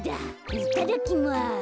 いただきます。